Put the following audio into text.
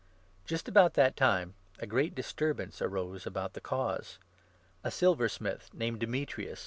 The RI t Just about that time a great disturbance arose 23 at about the Cause. A silversmith named Demetrius, 24 Ephesus.